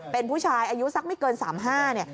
เป็นผู้ชายอายุสักไม่เกิน๓๕เนี่ย